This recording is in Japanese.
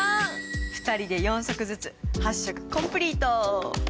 ２人で４足ずつ８色コンプリート！